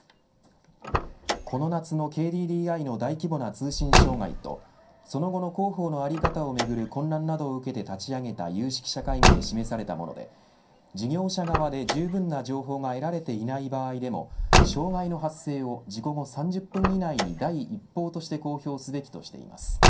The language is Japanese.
この夏のＫＤＤＩの大規模の通信障害とその後の広報の在り方をめぐる混乱などを受けて立ち上げた有識者会議で示されたもので事業者側でじゅうぶんな情報が得られていない場合でも障害の発生を事故後３０分以内に第一報として公表すべきとしています。